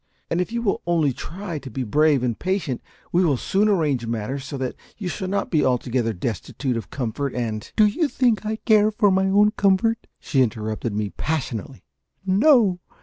And if you will only try to be brave and patient we will soon arrange matters so that you shall not be altogether destitute of comfort and " "Do you think I care for my own comfort?" she interrupted me, passionately. "No!